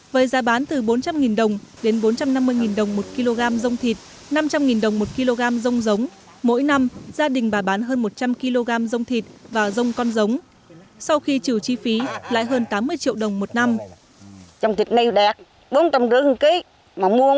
với giá bán từ bốn trăm linh đồng đến bốn trăm năm mươi đồng một kg dông thịt năm trăm linh đồng một kg dông giống mỗi năm gia đình bà bán hơn một trăm linh kg dông thịt và rông con giống sau khi trừ chi phí lãi hơn tám mươi triệu đồng một năm